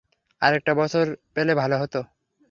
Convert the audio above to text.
আরেকটা বছর পেলে ভালো হত।